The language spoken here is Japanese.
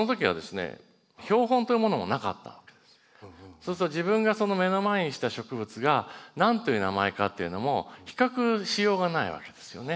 そうすると自分が目の前にした植物が何という名前かっていうのも比較しようがないわけですよね。